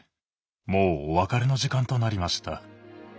もうお別れの時間となりました。